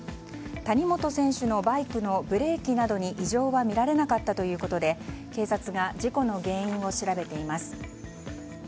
谷本選手のバイクのブレーキなどに異常は見られなかったということで警察が事故の原因を調べています。